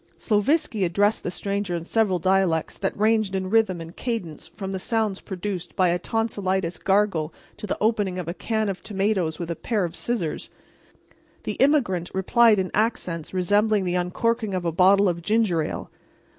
Sloviski addressed the stranger in several dialects that ranged in rhythm and cadence from the sounds produced by a tonsilitis gargle to the opening of a can of tomatoes with a pair of scissors. The immigrant replied in accents resembling the uncorking of a bottle of ginger ale.